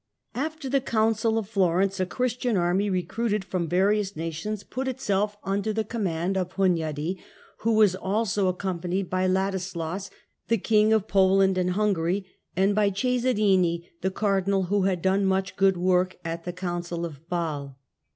After the Council of Florence, a Christian army recruited from various nations put it self under the leadership of Hunyadi, who was also ac companied by Ladislgis, the King of Poland and Hun gary, and by Cesarini the Cardinal who had done such Battle of good work at the Council of Basle.